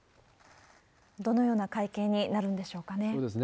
どのような会見になるんでしょうかね。